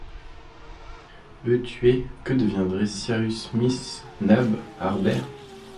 Eux tués, que deviendraient Cyrus Smith, Nab, Harbert